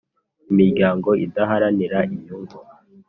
Imiryango idaharanira inyungu